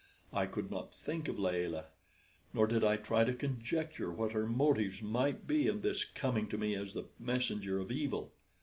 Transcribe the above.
I could not think of Layelah; nor did I try to conjecture what her motives might be in thus coming to me as the messenger of evil.